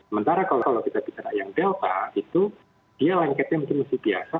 sementara kalau kita bicara yang delta itu dia lengketnya mungkin mesti biasa